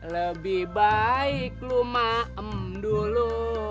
lebih baik lu maem dulu